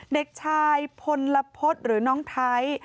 เด็กชายพลพฤษหรือน้องไทย